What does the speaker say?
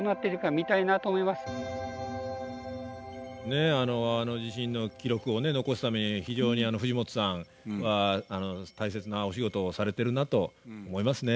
ねえあの地震の記録を残すために非常に藤本さんは大切なお仕事をされてるなと思いますね。